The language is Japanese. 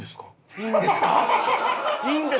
「いいんですか？」。